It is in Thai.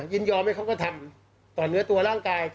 ยินยอมให้เขาก็ทำต่อเนื้อตัวร่างกาย